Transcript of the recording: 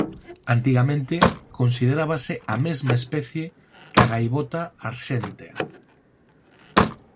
Antigamente considerábase a mesma especie que a gaivota arxéntea.